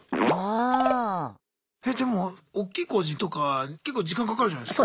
えでもおっきい工事とか結構時間かかるじゃないすか。